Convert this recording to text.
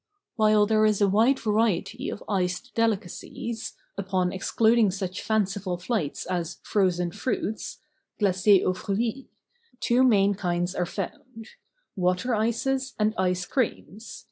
While there is a wide variety of iced delicacies, upon excluding such fanciful flights as "Frozen Fruits" (Glac6s aux Fruits), two main kinds are found: Water Ices and Ice Creams.